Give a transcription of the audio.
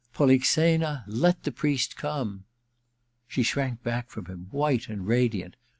Polixena, let the priest come 1 ' She shrank back from him, white and radiant.